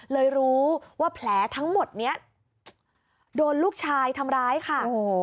เลยรู้ว่าแผลทั้งหมดนี้โดนลูกชายทำร้ายค่ะ